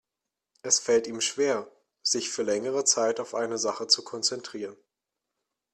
Es fällt ihm schwer, sich für längere Zeit auf eine Sache zu konzentrieren.